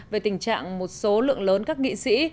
về tình trạng một số lượng lớn các nghị sĩ